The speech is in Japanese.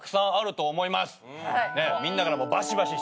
みんなから。